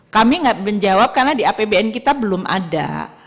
kami tidak menjawab karena di apbn kita belum ada